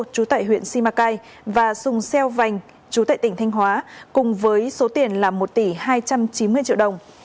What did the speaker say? chú tại huyện simacai và sùng xeo vành chú tại tỉnh thanh hóa cùng với số tiền là một tỷ hai trăm chín mươi triệu đồng